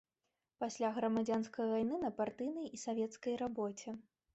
Пасля грамадзянскай вайны на партыйнай і савецкай рабоце.